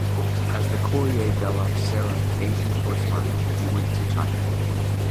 As the "Corriere della Sera "Asian correspondent, he went to China.